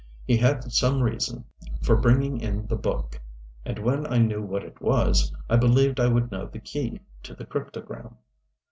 He had some reason for bringing in the "Book" and when I knew what it was, I believed I would know the key to the cryptogram.